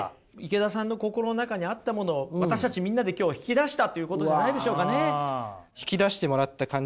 池田さんの心の中にあったものを私たちみんなで今日引き出したということじゃないでしょうかね。